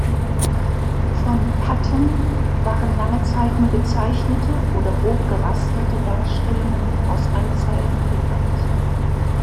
Von Patton waren lange Zeit nur gezeichnete oder grob gerasterte Darstellungen aus Anzeigen bekannt.